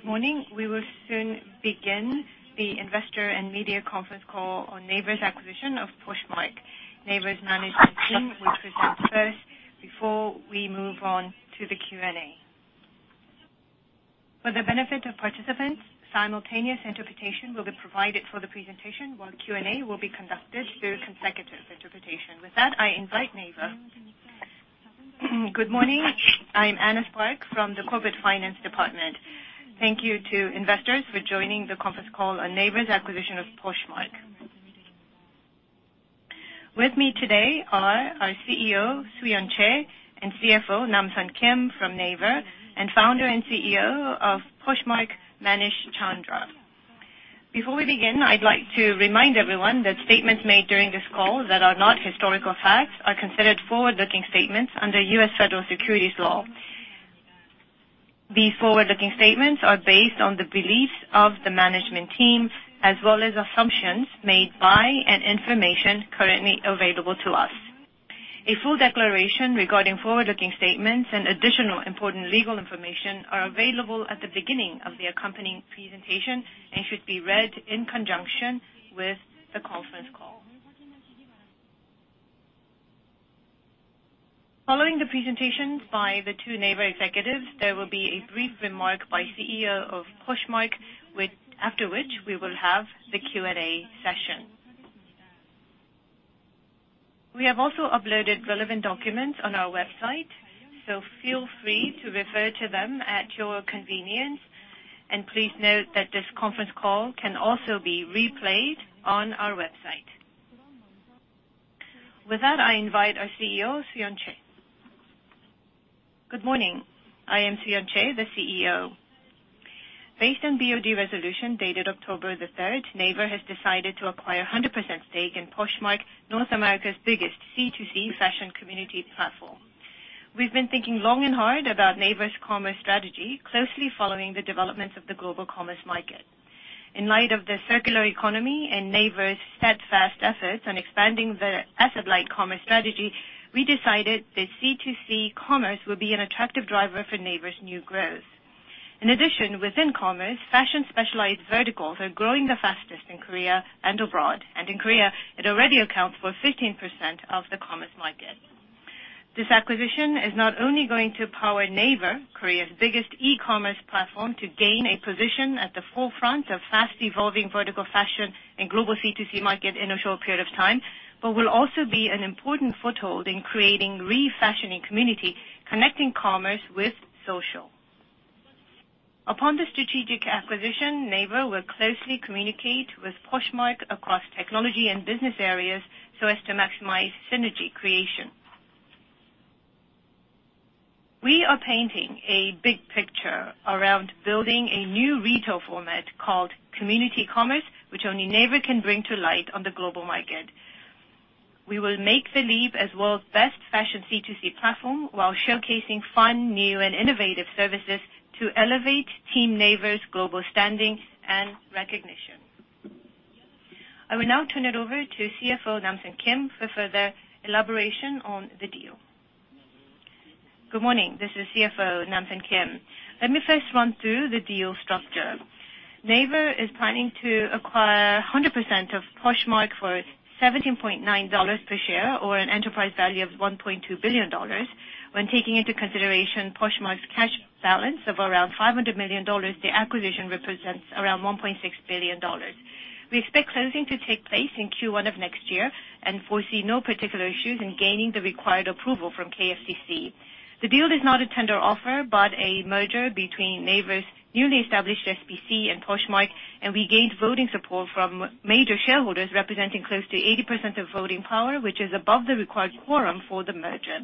Good morning. We will soon begin the investor and media conference call on NAVER's acquisition of Poshmark. NAVER's management team will present first before we move on to the Q&A. For the benefit of participants, simultaneous interpretation will be provided for the presentation, while Q&A will be conducted through consecutive interpretation. With that, I invite NAVER. Good morning. I'm Anna Park from the Corporate Finance Department. Thank you to investors for joining the conference call on NAVER's acquisition of Poshmark. With me today are our CEO, Soo-yeon Choi, and CFO, Nam-Sun Kim from NAVER, and founder and CEO of Poshmark, Manish Chandra. Before we begin, I'd like to remind everyone that statements made during this call that are not historical facts are considered forward-looking statements under U.S. Federal Securities law. These forward-looking statements are based on the beliefs of the management team as well as assumptions made by and information currently available to us. A full declaration regarding forward-looking statements and additional important legal information are available at the beginning of the accompanying presentation and should be read in conjunction with the conference call. Following the presentations by the two NAVER executives, there will be a brief remark by the CEO of Poshmark, after which we will have the Q&A session. We have also uploaded relevant documents on our website, so feel free to refer to them at your convenience, and please note that this conference call can also be replayed on our website. With that, I invite our CEO, Soo-yeon Choi. Good morning. I am Soo-yeon Choi, the CEO. Based on BOD resolution dated October the third, NAVER has decided to acquire a 100% stake in Poshmark, North America's biggest C2C fashion community platform. We've been thinking long and hard about NAVER's commerce strategy, closely following the developments of the global commerce market. In light of the circular economy and NAVER's steadfast efforts on expanding the asset-light commerce strategy, we decided that C2C commerce would be an attractive driver for NAVER's new growth. In addition, within commerce, fashion specialized verticals are growing the fastest in Korea and abroad, and in Korea, it already accounts for 15% of the commerce market. This acquisition is not only going to power NAVER, Korea's biggest e-commerce platform, to gain a position at the forefront of fast-evolving vertical fashion and global C2C market in a short period of time, but will also be an important foothold in creating refashioning community, connecting commerce with social. Upon the strategic acquisition, NAVER will closely communicate with Poshmark across technology and business areas so as to maximize synergy creation. We are painting a big picture around building a new retail format called community commerce, which only NAVER can bring to light on the global market. We will make the leap as world's best fashion C2C platform while showcasing fun, new, and innovative services to elevate Team NAVER's global standing and recognition. I will now turn it over to CFO Nam-Sun Kim for further elaboration on the deal. Good morning. This is CFO Nam-Sun Kim. Let me first run through the deal structure. NAVER is planning to acquire 100% of Poshmark for $17.9 per share, or an enterprise value of $1.2 billion. When taking into consideration Poshmark's cash balance of around $500 million, the acquisition represents around $1.6 billion. We expect closing to take place in Q1 of next year and foresee no particular issues in gaining the required approval from KFTC. The deal is not a tender offer, but a merger between NAVER's newly established SPC and Poshmark, and we gained voting support from major shareholders representing close to 80% of voting power, which is above the required quorum for the merger.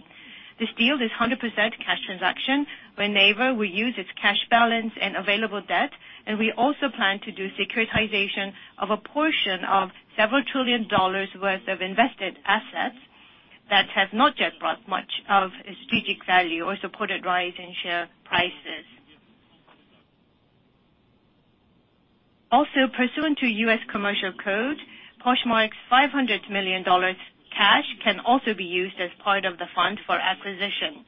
This deal is 100% cash transaction, where NAVER will use its cash balance and available debt, and we also plan to do securitization of a portion of several trillion KRW worth of invested assets that have not yet brought much of strategic value or supported rise in share prices. Also, pursuant to Uniform Commercial Code, Poshmark's $500 million cash can also be used as part of the fund for acquisition.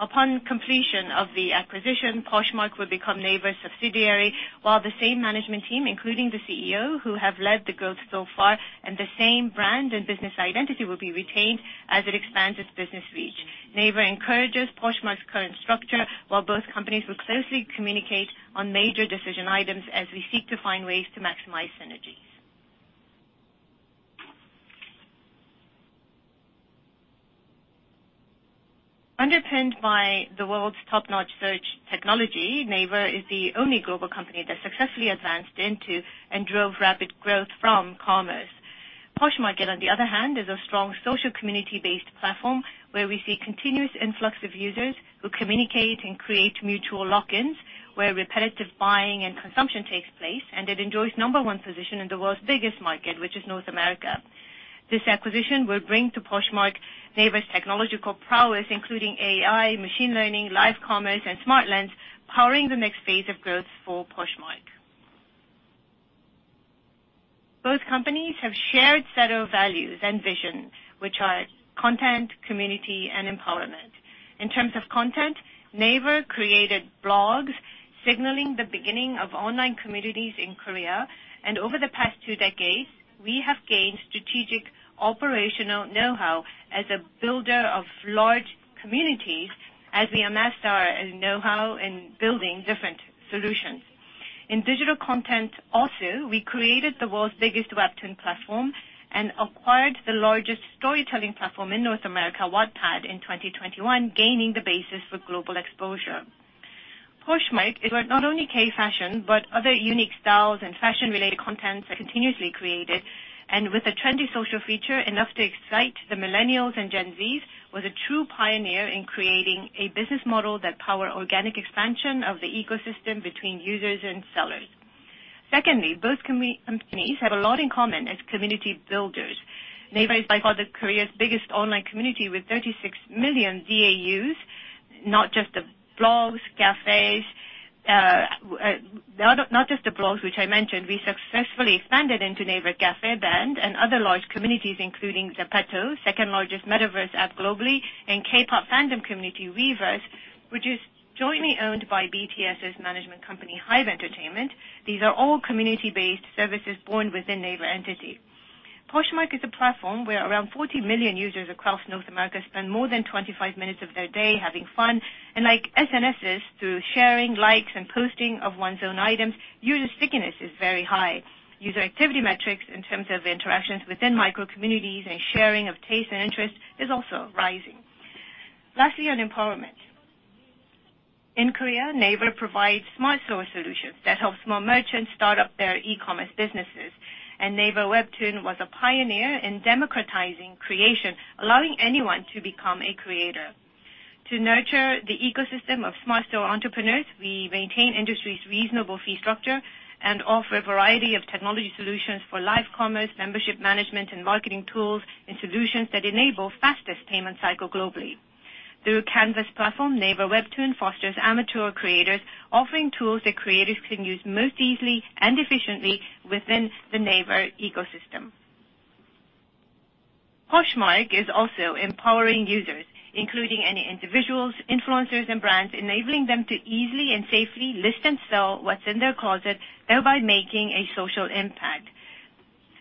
Upon completion of the acquisition, Poshmark will become NAVER's subsidiary, while the same management team, including the CEO, who have led the growth so far and the same brand and business identity will be retained as it expands its business reach. NAVER encourages Poshmark's current structure while both companies will closely communicate on major decision items as we seek to find ways to maximize synergies. Underpinned by the world's top-notch search technology, NAVER is the only global company that successfully advanced into and drove rapid growth from commerce. Poshmark, on the other hand, is a strong social community-based platform where we see continuous influx of users who communicate and create mutual lock-ins, where repetitive buying and consumption takes place, and it enjoys number one position in the world's biggest market, which is North America. This acquisition will bring to Poshmark NAVER's technological prowess, including AI, machine learning, live commerce, and Smart Lens, powering the next phase of growth for Poshmark. Both companies have shared set of values and visions, which are content, community, and empowerment. In terms of content, NAVER created blogs signaling the beginning of online communities in Korea. Over the past two decades, we have gained strategic operational know-how as a builder of large communities as we amassed our know-how in building different solutions. In digital content also, we created the world's biggest webtoon platform and acquired the largest storytelling platform in North America, Wattpad, in 2021, gaining the basis for global exposure. Poshmark is where not only K-fashion, but other unique styles and fashion-related contents are continuously created. With a trendy social feature enough to excite the millennials and Gen Zs, was a true pioneer in creating a business model that power organic expansion of the ecosystem between users and sellers. Secondly, both companies have a lot in common as community builders. NAVER is by far Korea's biggest online community with 36 million DAUs, not just the blogs, cafes, which I mentioned, we successfully expanded into Naver Cafe, BAND and other large communities, including ZEPETO, second-largest metaverse app globally, and K-pop fandom community, Weverse, which is jointly owned by BTS's management company, HYBE Corporation. These are all community-based services born within NAVER entity. Poshmark is a platform where around 40 million users across North America spend more than 25 minutes of their day having fun. Like SNSs, through sharing likes and posting of one's own items, user stickiness is very high. User activity metrics in terms of interactions within micro communities and sharing of taste and interest is also rising. Lastly, on empowerment. In Korea, NAVER provides Smart Store solutions that help small merchants start up their e-commerce businesses. NAVER Webtoon was a pioneer in democratizing creation, allowing anyone to become a creator. To nurture the ecosystem of Smart Store entrepreneurs, we maintain industry's reasonable fee structure and offer a variety of technology solutions for live commerce, membership management, and marketing tools, and solutions that enable fastest payment cycle globally. Through CANVAS platform, NAVER Webtoon fosters amateur creators, offering tools that creators can use most easily and efficiently within the NAVER ecosystem. Poshmark is also empowering users, including any individuals, influencers, and brands, enabling them to easily and safely list and sell what's in their closet, thereby making a social impact.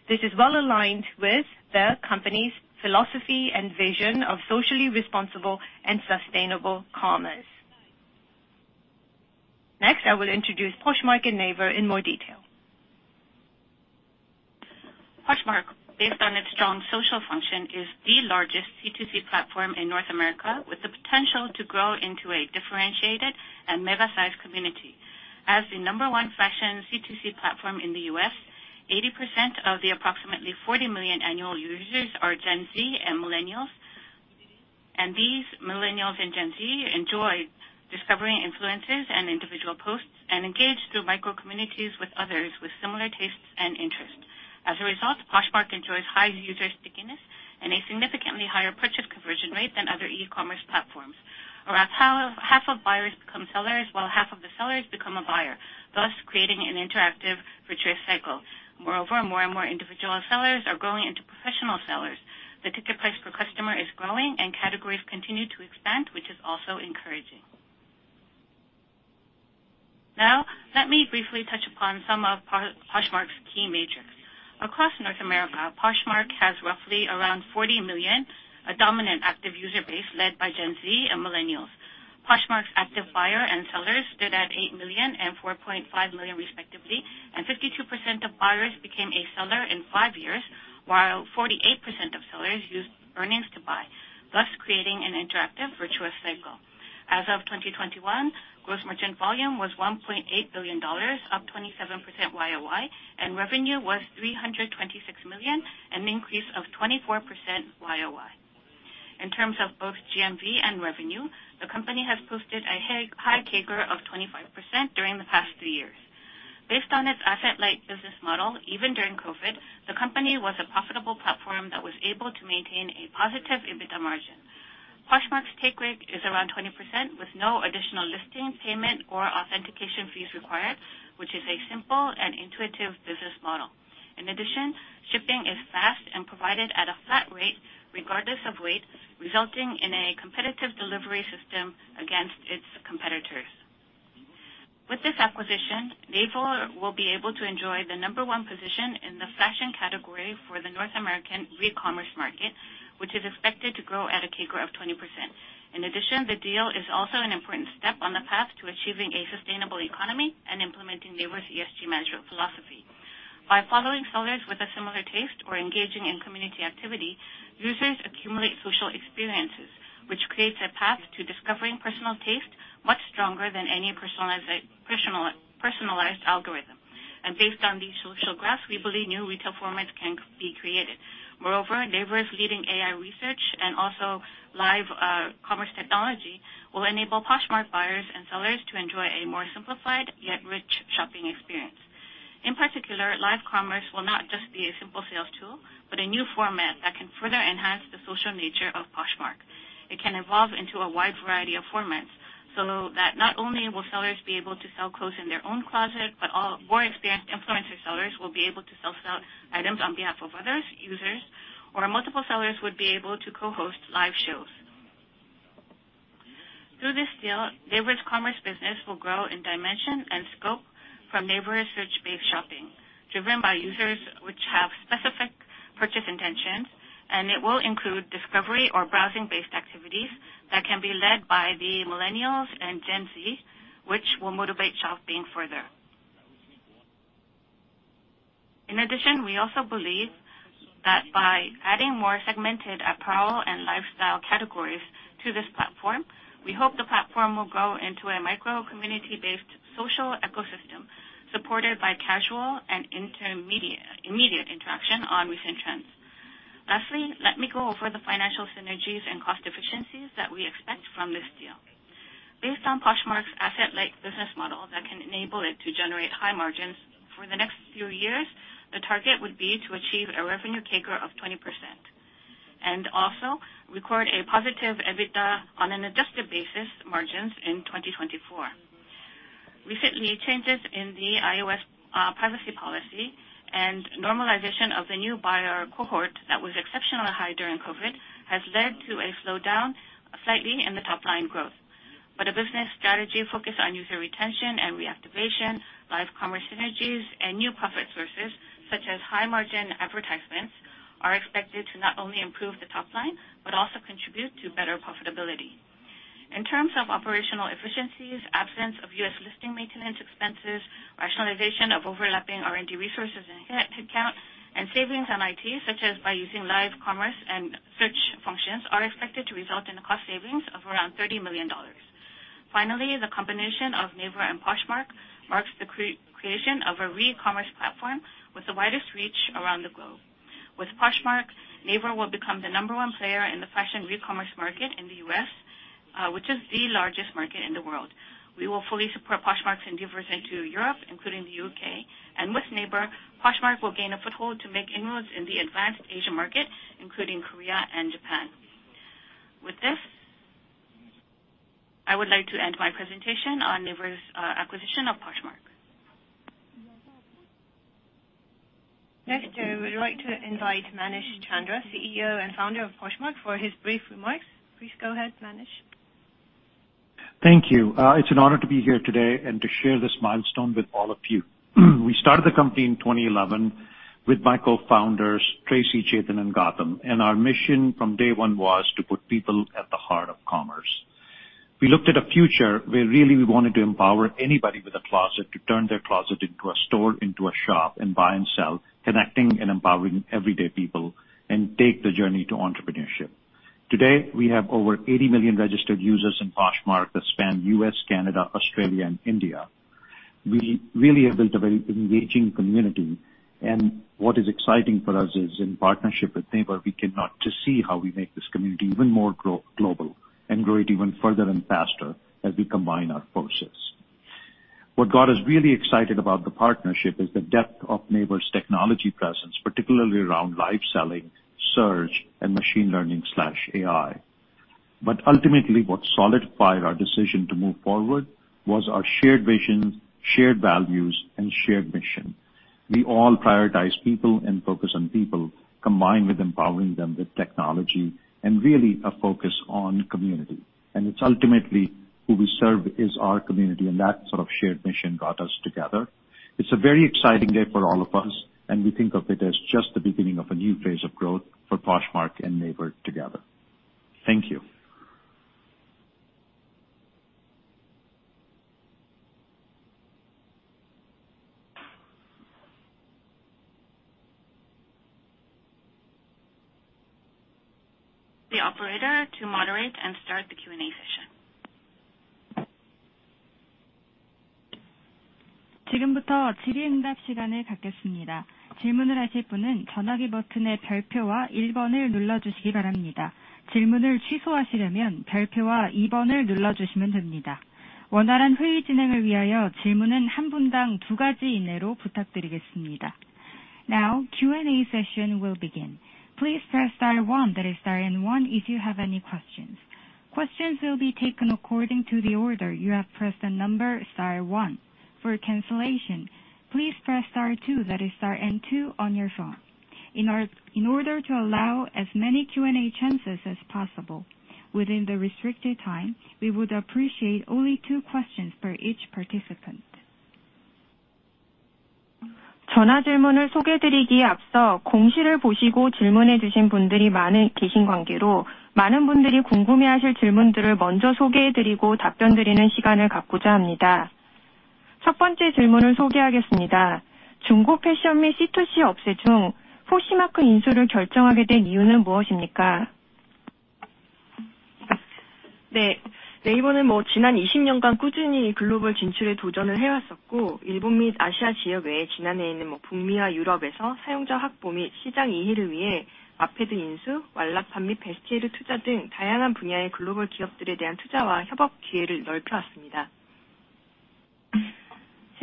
This is well-aligned with the company's philosophy and vision of socially responsible and sustainable commerce. Next, I will introduce Poshmark and NAVER in more detail. Poshmark, based on its strong social function, is the largest C2C platform in North America, with the potential to grow into a differentiated and mega-sized community. As the number one fashion C2C platform in the U.S., 80% of the approximately 40 million annual users are Gen Z and millennials. These millennials and Gen Z enjoy discovering influences and individual posts and engage through micro communities with others with similar tastes and interests. As a result, Poshmark enjoys high user stickiness and a significantly higher purchase conversion rate than other e-commerce platforms. Around half of buyers become sellers, while half of the sellers become a buyer, thus creating an interactive virtual cycle. Moreover, more and more individual sellers are growing into professional sellers. The ticket price per customer is growing and categories continue to expand, which is also encouraging. Now, let me briefly touch upon some of Poshmark's key metrics. Across North America, Poshmark has roughly around 40 million, a dominant active user base led by Gen Z and millennials. Poshmark's active buyer and sellers stood at 8 million and 4.5 million, respectively, and 52% of buyers became a seller in five years, while 48% of sellers used earnings to buy, thus creating an interactive virtuous cycle. As of 2021, gross merchant volume was $1.8 billion, up 27% YOY, and revenue was $326 million, an increase of 24% YOY. In terms of both GMV and revenue, the company has posted a high CAGR of 25% during the past three years. Based on its asset-light business model, even during COVID, the company was a profitable platform that was able to maintain a positive EBITDA margin. Poshmark's take rate is around 20% with no additional listing, payment, or authentication fees required, which is a simple and intuitive business model. In addition, shipping is fast and provided at a flat rate regardless of weight, resulting in a competitive delivery system against its competitors. With this acquisition, NAVER will be able to enjoy the number one position in the fashion category for the North American re-commerce market, which is expected to grow at a CAGR of 20%. In addition, the deal is also an important step on the path to achieving a sustainable economy and implementing NAVER's ESG management philosophy. By following sellers with a similar taste or engaging in community activity, users accumulate social experiences, which creates a path to discovering personal taste much stronger than any personalized algorithm. Based on these social graphs, we believe new retail formats can be created. Moreover, NAVER's leading AI research and also live commerce technology will enable Poshmark buyers and sellers to enjoy a more simplified yet rich shopping experience. In particular, live commerce will not just be a simple sales tool, but a new format that can further enhance the social nature of Poshmark and evolve into a wide variety of formats, so that not only will sellers be able to sell clothes in their own closet, but also more expanded influencer sellers will be able to sell items on behalf of others, users or multiple sellers would be able to co-host live shows. Through this deal, NAVER's commerce business will grow in dimension and scope from NAVER search-based shopping, driven by users which have specific purchase intentions, and it will include discovery or browsing-based activities that can be led by the millennials and Gen Z, which will motivate shopping further. In addition, we also believe that by adding more segmented apparel and lifestyle categories to this platform, we hope the platform will grow into a micro community-based social ecosystem supported by casual and intermediate, immediate interaction on recent trends. Lastly, let me go over the financial synergies and cost efficiencies that we expect from this deal. Based on Poshmark's asset-light business model that can enable it to generate high margins for the next few years, the target would be to achieve a revenue CAGR of 20%. Also record a positive EBITDA on an adjusted basis margins in 2024. Recently, changes in the iOS privacy policy and normalization of the new buyer cohort that was exceptionally high during COVID has led to a slowdown slightly in the top line growth. A business strategy focused on user retention and reactivation, live commerce synergies and new profit sources such as high-margin advertisements are expected to not only improve the top line but also contribute to better profitability. In terms of operational efficiencies, absence of U.S. listing maintenance expenses, rationalization of overlapping R&D resources and head count and savings on IT, such as by using live commerce and search functions, are expected to result in a cost savings of around $30 million. Finally, the combination of NAVER and Poshmark marks the co-creation of a re-commerce platform with the widest reach around the globe. With Poshmark, NAVER will become the number one player in the fashion re-commerce market in the U.S., which is the largest market in the world. We will fully support Poshmark's endeavors into Europe, including the U.K. With NAVER, Poshmark will gain a foothold to make inroads in the advanced Asian market, including Korea and Japan. With this, I would like to end my presentation on NAVER's acquisition of Poshmark. Next, I would like to invite Manish Chandra, CEO and founder of Poshmark, for his brief remarks. Please go ahead, Manish. Thank you. It's an honor to be here today and to share this milestone with all of you. We started the company in 2011 with my cofounders, Tracy, Chetan and Gautam. Our mission from day one was to put people at the heart of commerce. We looked at a future where really we wanted to empower anybody with a closet to turn their closet into a store, into a shop, and buy and sell, connecting and empowering everyday people and take the journey to entrepreneurship. Today, we have over 80 million registered users in Poshmark that span U.S., Canada, Australia and India. We really have built a very engaging community, and what is exciting for us is in partnership with NAVER, we continue to see how we make this community even more global and grow it even further and faster as we combine our forces. What got us really excited about the partnership is the depth of NAVER's technology presence, particularly around live selling, search and machine learning/AI. Ultimately, what solidified our decision to move forward was our shared vision, shared values and shared mission. We all prioritize people and focus on people combined with empowering them with technology and really a focus on community. It's ultimately who we serve is our community, and that sort of shared mission got us together. It's a very exciting day for all of us, and we think of it as just the beginning of a new phase of growth for Poshmark and NAVER together. Thank you. The operator to moderate and start the Q&A session. Now, Q&A session will begin. Please press star one, that is star and one, if you have any questions. Questions will be taken according to the order you have pressed the number star one. For cancellation, please press star two, that is star and two on your phone. In order to allow as many Q&A chances as possible within the restricted time, we would appreciate only two questions per each participant.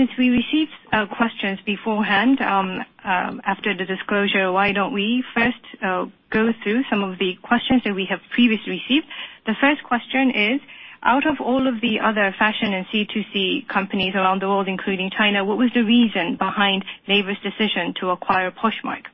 Since we received questions beforehand, after the disclosure, why don't we first go through some of the questions that we have previously received. The first question is, out of all of the other fashion and C2C companies around the world, including China, what was the reason behind NAVER's decision to acquire Poshmark?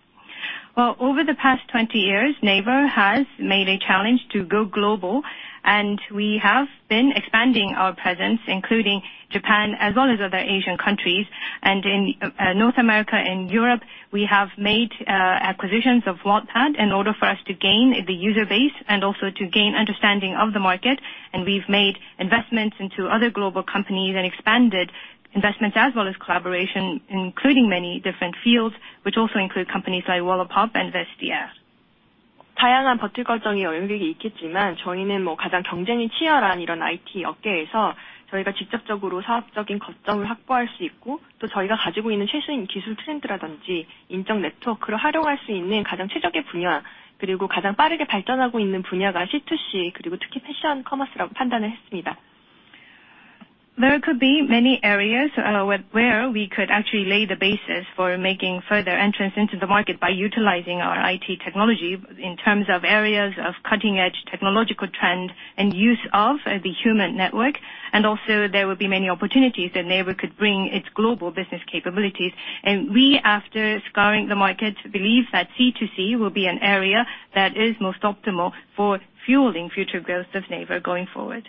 Well, over the past 20 years, NAVER has made a challenge to go global, and we have been expanding our presence, including Japan as well as other Asian countries. In North America and Europe, we have made acquisitions of Wattpad in order for us to gain the user base and also to gain understanding of the market. We've made investments into other global companies and expanded investments as well as collaboration, including many different fields, which also include companies like Wallapop and Vestiaire. There could be many areas where we could actually lay the basis for making further entrance into the market by utilizing our IT technology in terms of areas of cutting-edge technological trends and use of the human network. Also there will be many opportunities that NAVER could bring its global business capabilities. We, after scouring the market, believe that C2C will be an area that is most optimal for fueling future growth of NAVER going forward.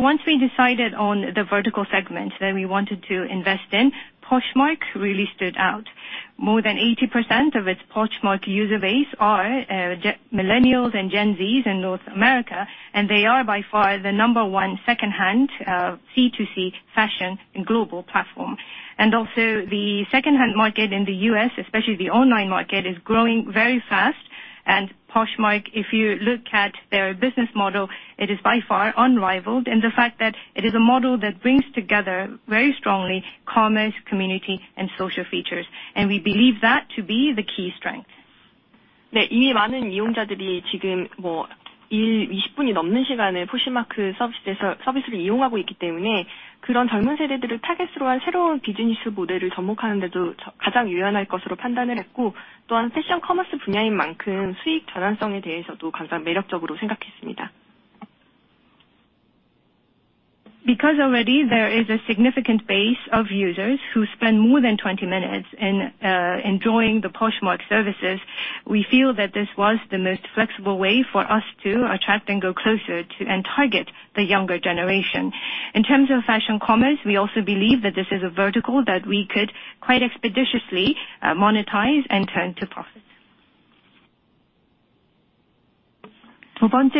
Once we decided on the vertical segment that we wanted to invest in, Poshmark really stood out. More than 80% of its Poshmark user base are millennials and Gen Zs in North America, and they are by far the number one secondhand C2C fashion and global platform. The secondhand market in the U.S., especially the online market, is growing very fast. Poshmark, if you look at their business model, it is by far unrivaled. The fact that it is a model that brings together very strongly commerce, community and social features, and we believe that to be the key strength. Because already there is a significant base of users who spend more than 20 minutes in enjoying the Poshmark services, we feel that this was the most flexible way for us to attract and go closer to and target the younger generation. In terms of fashion commerce, we also believe that this is a vertical that we could quite expeditiously monetize and turn to profit. Second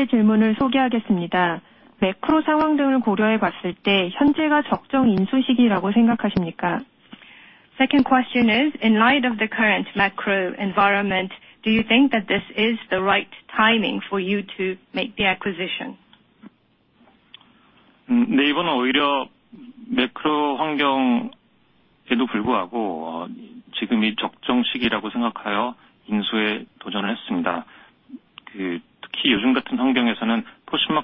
question is, in light of the current macro environment, do you think that this is the right timing for you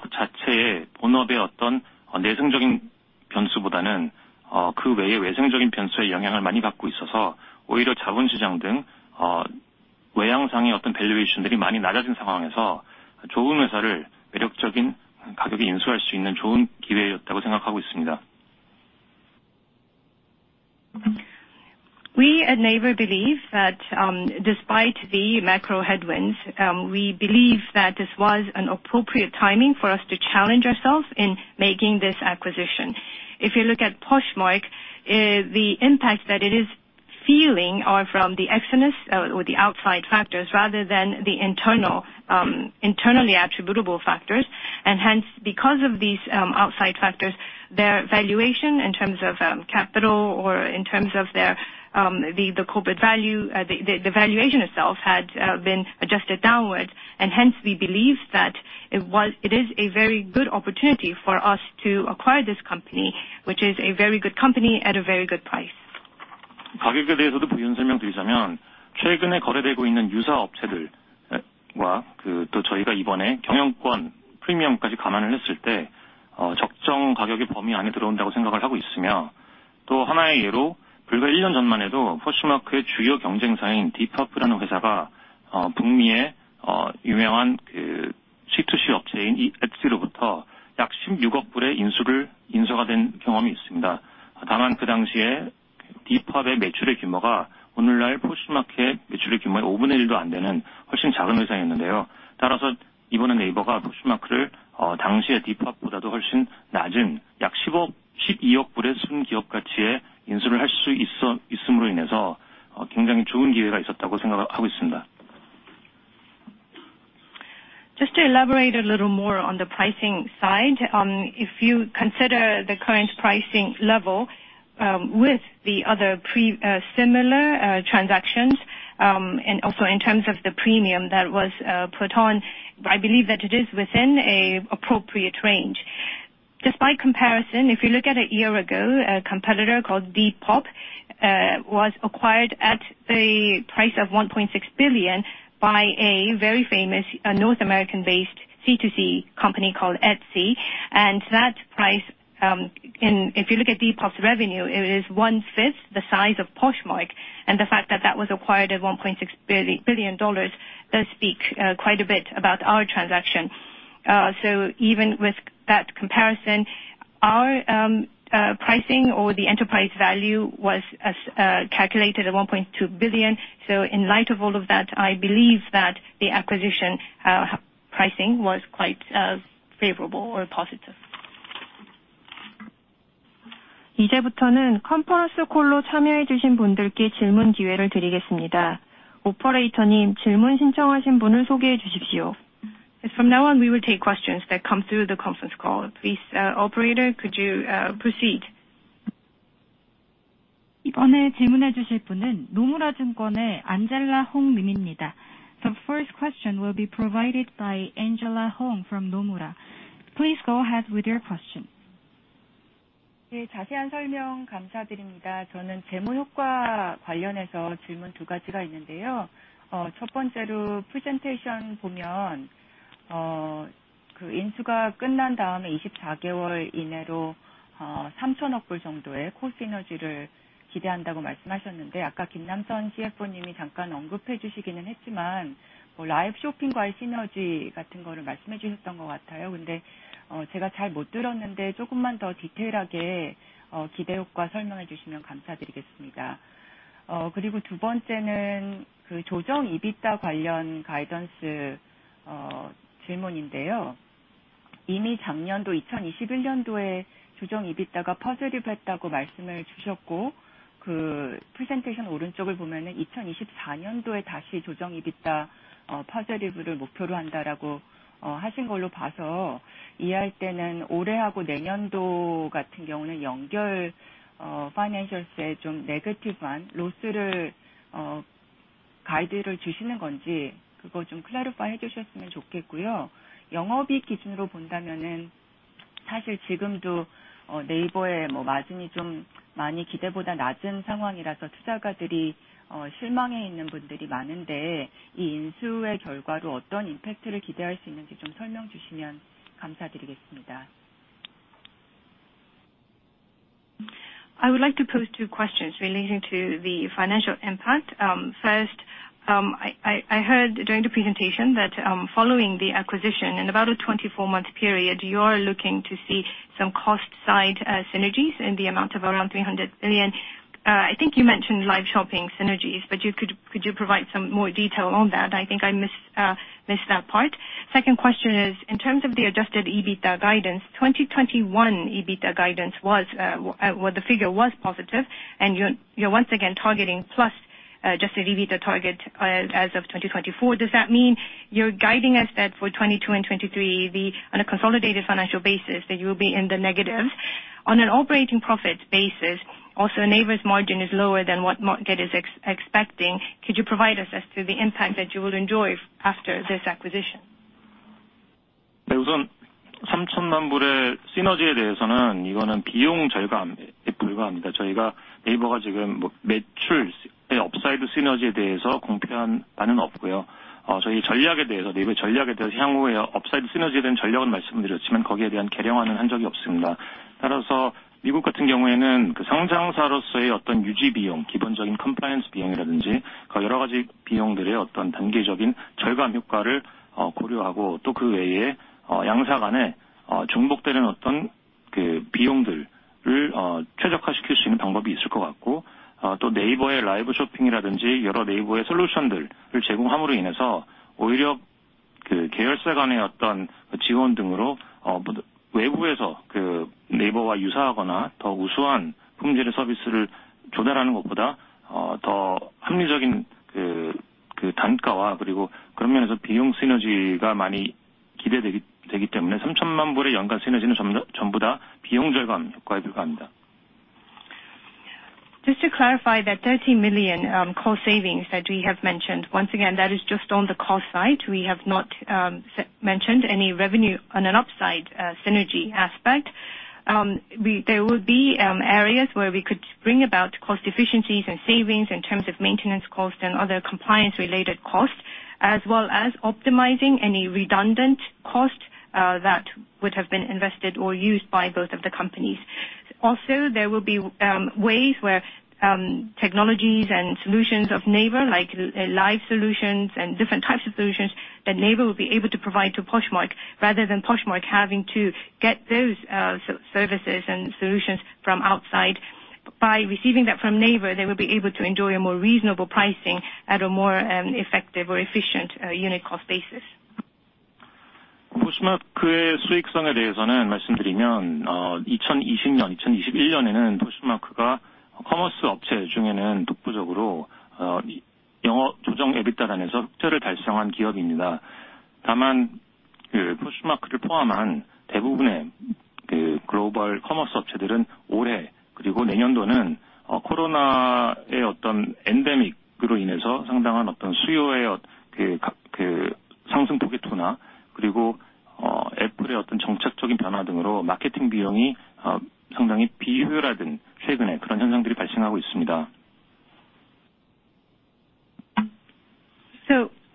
to make the acquisition? We at NAVER believe that, despite the macro headwinds, we believe that this was an appropriate timing for us to challenge ourselves in making this acquisition. If you look at Poshmark, the impact that it is feeling are from the exodus or the outside factors rather than the internal internally attributable factors. Hence, because of these outside factors, their valuation in terms of capital or in terms of their corporate value, the valuation itself had been adjusted downward. Hence we believe that it is a very good opportunity for us to acquire this company, which is a very good company at a very good price. Just to elaborate a little more on the pricing side. If you consider the current pricing level, with the other previous similar transactions, and also in terms of the premium that was put on, I believe that it is within an appropriate range. Just by comparison, if you look at a year ago, a competitor called Depop was acquired at a price of $1.6 billion by a very famous North American-based C2C company called Etsy. That price, and if you look at Depop's revenue, it is one fifth the size of Poshmark, and the fact that that was acquired at $1.6 billion does speak quite a bit about our transaction. Even with that comparison, our pricing or the enterprise value was as calculated at $1.2 billion. In light of all of that, I believe that the acquisition pricing was quite favorable or positive. From now on, we will take questions that come through the conference call. Please, operator, could you proceed? The first question will be provided by Angela Hong from Nomura. Please go ahead with your question. I would like to pose two questions relating to the financial impact. First, I heard during the presentation that, following the acquisition in about a 24-month period, you are looking to see some cost side synergies in the amount of around 300 billion. I think you mentioned live shopping synergies, but could you provide some more detail on that? I think I missed that part. Second question is in terms of the adjusted EBITDA guidance, 2021 EBITDA guidance was, well, the figure was positive and you're once again targeting plus adjusted EBITDA target as of 2024. Does that mean you're guiding us that for 2022 and 2023 on a consolidated financial basis, that you will be in the negative? On an operating profit basis, also NAVER's margin is lower than what market is expecting. Could you provide us as to the impact that you will enjoy after this acquisition? Just to clarify that 30 million cost savings that we have mentioned, once again, that is just on the cost side. We have not mentioned any revenue on an upside synergy aspect. There will be areas where we could bring about cost efficiencies and savings in terms of maintenance cost and other compliance related costs, as well as optimizing any redundant cost that would have been invested or used by both of the companies. Also, there will be ways where technologies and solutions of NAVER, like live solutions and different types of solutions that NAVER will be able to provide to Poshmark rather than Poshmark having to get those services and solutions from outside. By receiving that from NAVER, they will be able to enjoy a more reasonable pricing at a more effective or efficient unit cost basis.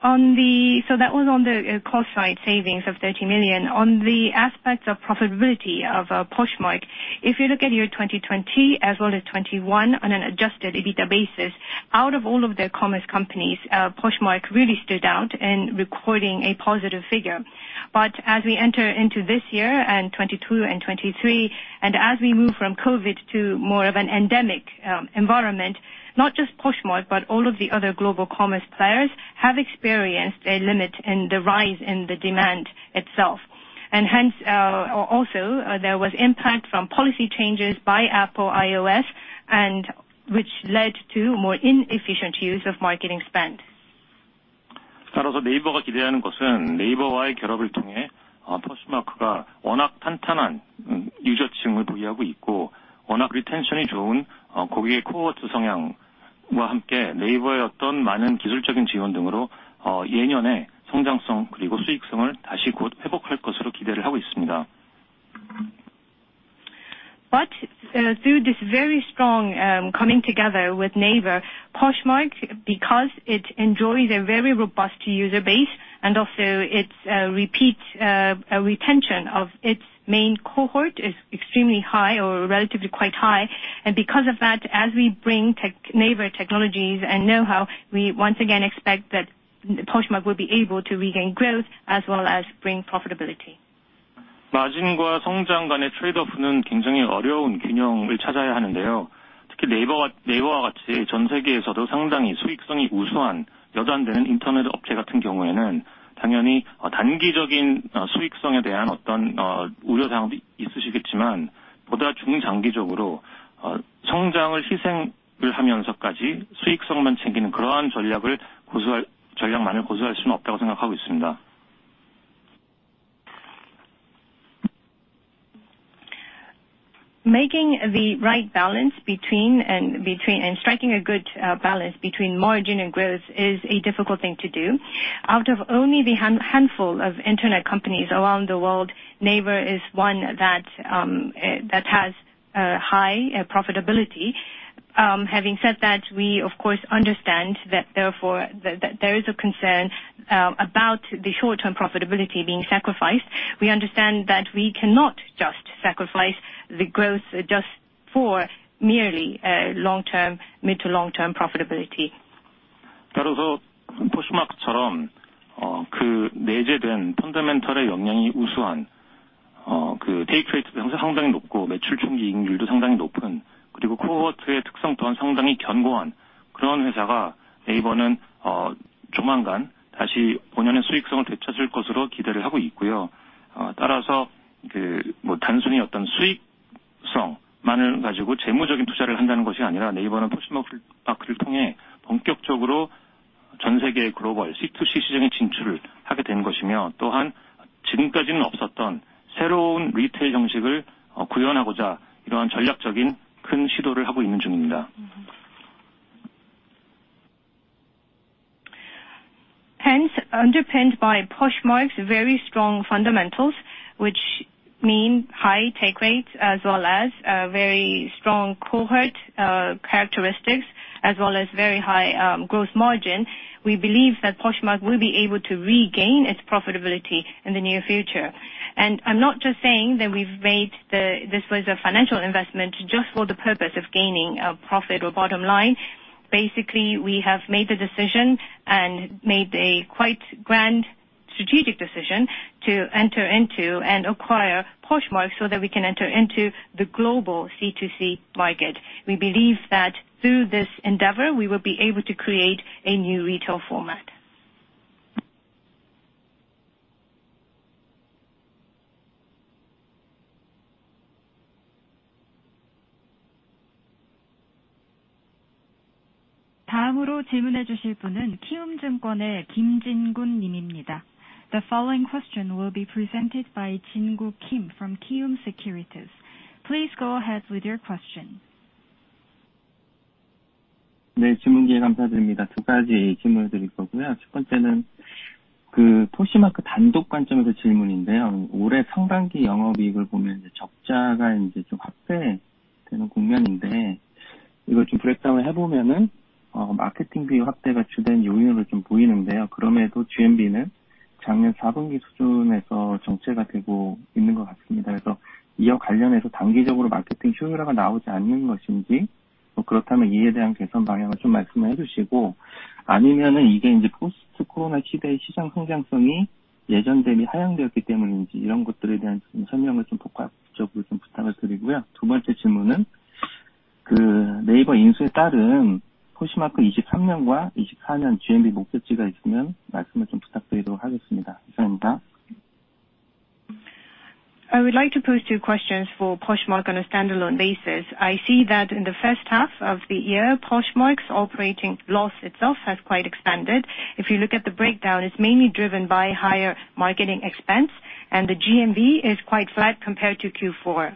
That was on the cost side savings of 30 million. On the aspects of profitability of Poshmark, if you look at year 2020 as well as 2021 on an adjusted EBITDA basis, out of all of the commerce companies, Poshmark really stood out in recording a positive figure. As we enter into this year and 2022 and 2023, and as we move from COVID to more of an endemic environment, not just Poshmark, but all of the other global commerce players have experienced a limit in the rise in the demand itself. There was impact from policy changes by Apple iOS and which led to more inefficient use of marketing spend. Through this very strong coming together with NAVER, Poshmark because it enjoys a very robust user base and also its repeat retention of its main cohort is extremely high or relatively quite high. Because of that, as we bring tech, NAVER technologies and know-how, we once again expect that Poshmark will be able to regain growth as well as bring profitability. Striking a good balance between margin and growth is a difficult thing to do. Out of only the handful of internet companies around the world, NAVER is one that has high profitability. Having said that, we of course understand that there is a concern about the short-term profitability being sacrificed. We understand that we cannot just sacrifice the growth just for merely long-term, mid- to long-term profitability. Hence, underpinned by Poshmark's very strong fundamentals, which mean high take rates as well as very strong cohort characteristics as well as very high gross margin. We believe that Poshmark will be able to regain its profitability in the near future. I'm not just saying that this was a financial investment just for the purpose of gaining profit or bottom line. Basically, we have made the decision and made a quite grand strategic decision to enter into and acquire Poshmark so that we can enter into the global C2C market. We believe that through this endeavor we will be able to create a new retail format. The following question will be presented by Jingu Kim from Kiwoom Securities. Please go ahead with your question. I would like to pose two questions for Poshmark on a standalone basis. I see that in the H 1 of the year, Poshmark's operating loss itself has quite expanded. If you look at the breakdown, it's mainly driven by higher marketing expense and the GMV is quite flat compared to Q4.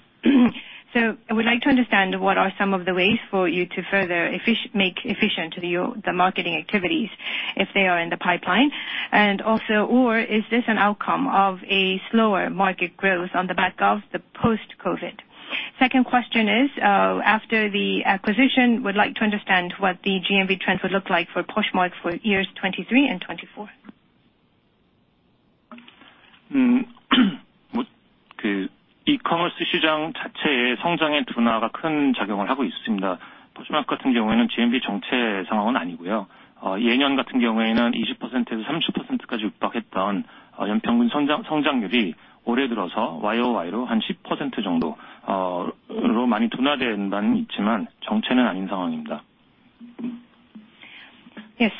I would like to understand what are some of the ways for you to further make efficient the marketing activities, if they are in the pipeline, and also or is this an outcome of a slower market growth on the back of the post-COVID? Second question is, after the acquisition, would like to understand what the GMV trends would look like for Poshmark for years 2023 and 2024? E-commerce Yes,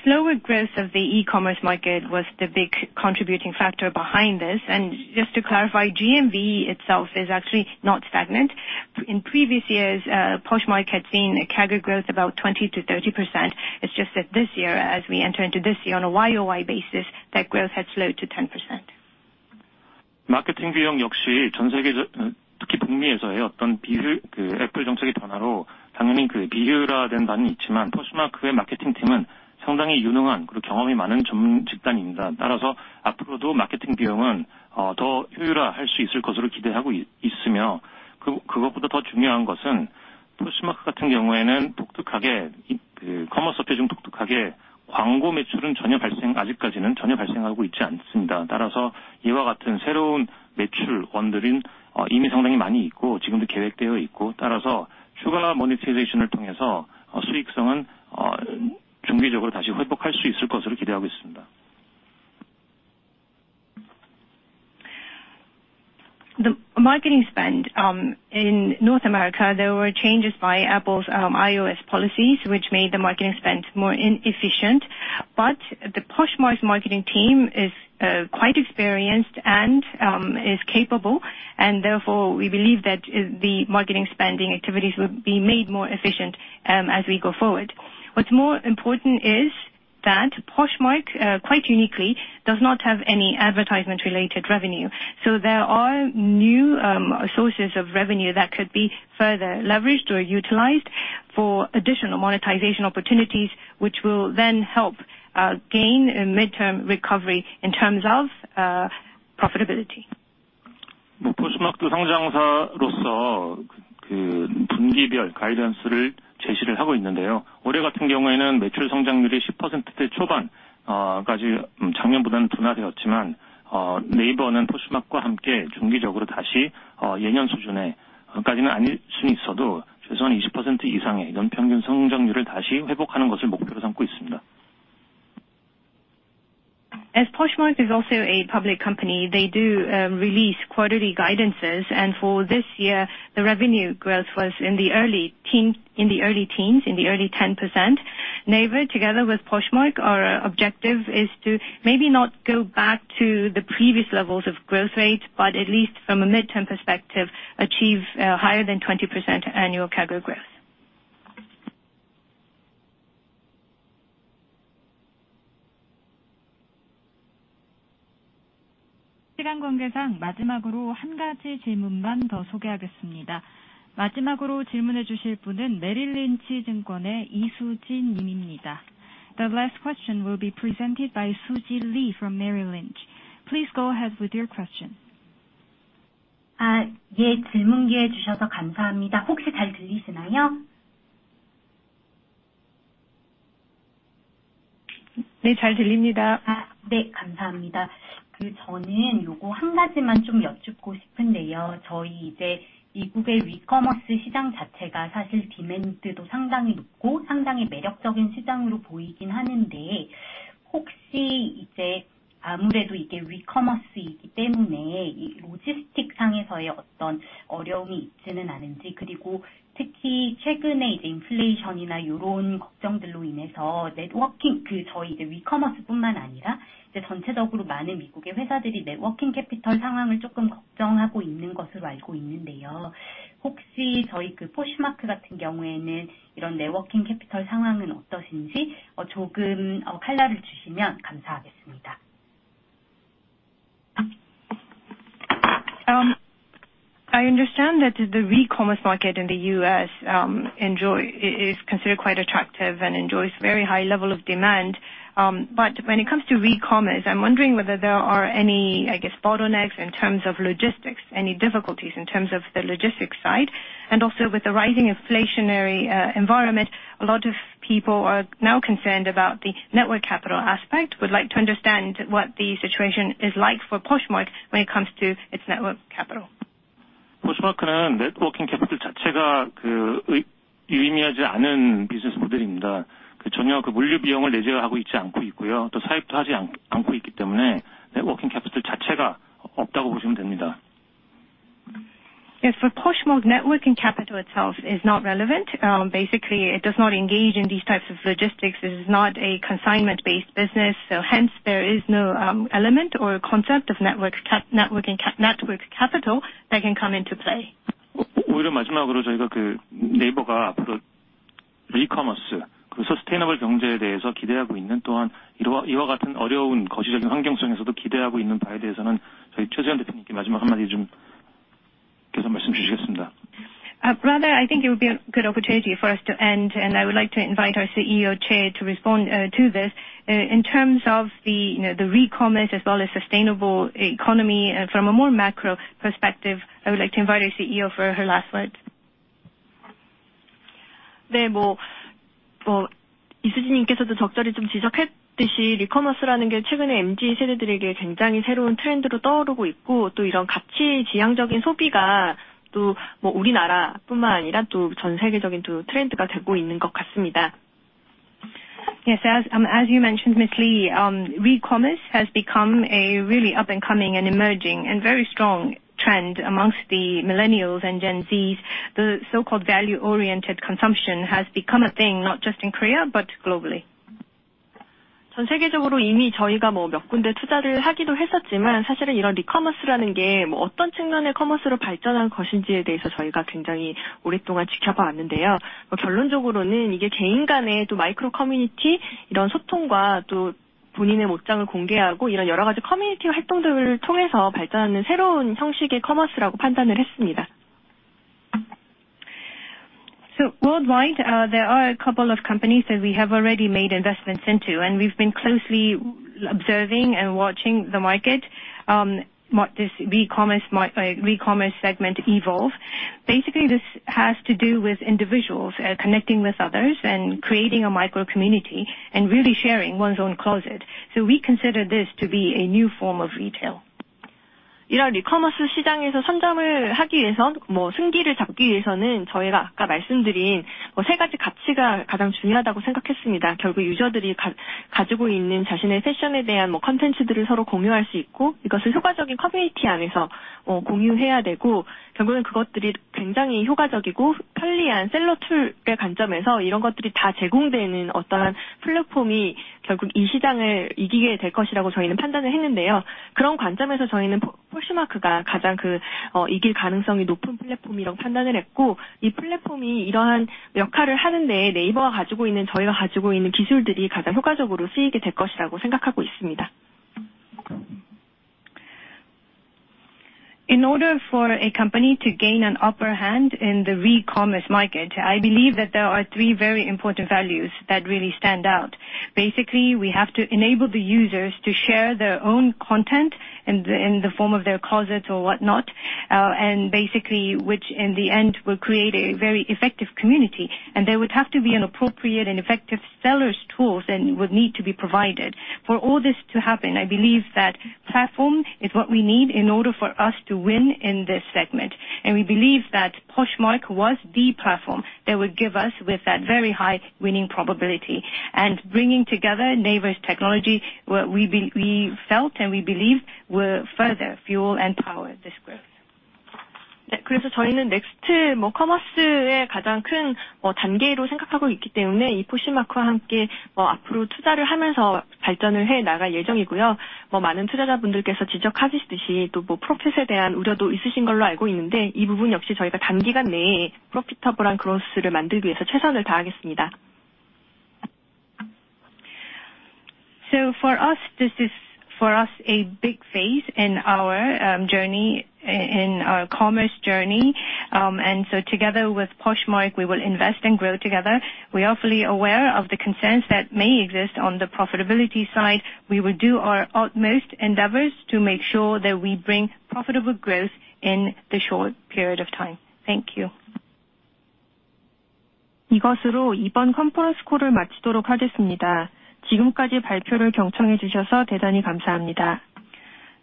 slower growth of the e-commerce market was the big contributing factor behind this. Just to clarify, GMV itself is actually not stagnant. In previous years, Poshmark had seen a CAGR growth about 20%-30%. It's just that this year, as we enter into this year on a YOY basis, that growth has slowed to 10%. The marketing spend in North America, there were changes by Apple's iOS policies, which made the marketing spend more inefficient. Poshmark's marketing team is quite experienced and is capable, and therefore, we believe that the marketing spending activities will be made more efficient as we go forward. What's more important is that Poshmark quite uniquely does not have any advertisement related revenue. There are new sources of revenue that could be further leveraged or utilized for additional monetization opportunities, which will then help gain a midterm recovery in terms of profitability. As Poshmark is also a public company, they do release quarterly guidances. For this year, the revenue growth was in the early teens%. NAVER, together with Poshmark, our objective is to maybe not go back to the previous levels of growth rates, but at least from a midterm perspective, achieve higher than 20% annual CAGR growth. The last question will be presented by Susie Lee from Merrill Lynch. Please go ahead with your question. I understand that the e-commerce market in the U.S. is considered quite attractive and enjoys very high level of demand. When it comes to e-commerce, I'm wondering whether there are any, I guess, bottlenecks in terms of logistics, any difficulties in terms of the logistics side. Also with the rising inflationary environment, a lot of people are now concerned about the working capital aspect. Would like to understand what the situation is like for Poshmark when it comes to its working capital. Yes, for Poshmark, working capital itself is not relevant. Basically it does not engage in these types of logistics. This is not a consignment-based business, so hence there is no element or concept of working capital that can come into play. Rather, I think it would be a good opportunity for us to end, and I would like to invite our CEO, Choi, to respond to this. In terms of the re-commerce as well as sustainable economy from a more macro perspective, I would like to invite our CEO for her last words. Yes. As you mentioned, Ms. Lee, re-commerce has become a really up-and-coming and emerging and very strong trend among the millennials and Gen Z. The so-called value-oriented consumption has become a thing, not just in Korea, but globally. Worldwide, there are a couple of companies that we have already made investments into, and we've been closely observing and watching the market, what this re-commerce segment evolve. Basically, this has to do with individuals connecting with others and creating a micro community and really sharing one's own closet, so we consider this to be a new form of retail. In order for a company to gain an upper hand in the re-commerce market, I believe that there are three very important values that really stand out. Basically, we have to enable the users to share their own content in the form of their closets or whatnot, and basically which in the end will create a very effective community, and there would have to be an appropriate and effective seller's tools that would need to be provided. For all this to happen, I believe that platform is what we need in order for us to win in this segment, and we believe that Poshmark was the platform that would give us with that very high winning probability. Bringing together NAVER's technology, we felt and we believe will further fuel and power this growth. For us, this is a big phase in our journey, in our commerce journey. Together with Poshmark, we will invest and grow together. We are fully aware of the concerns that may exist on the profitability side. We will do our utmost endeavors to make sure that we bring profitable growth in the short period of time. Thank you.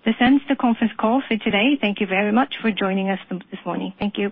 This ends the conference call for today. Thank you very much for joining us this morning. Thank you.